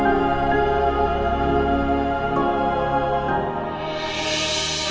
hal itu tapi harga sepuluh rupiahucha